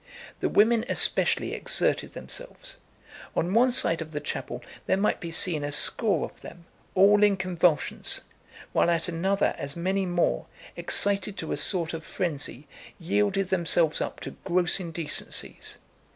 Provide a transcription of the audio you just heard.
The women especially exerted themselves. On one side of the chapel there might be seen a score of them, all in convulsions; while at another as many more, excited to a sort of frenzy, yielded themselves up to gross indecencies.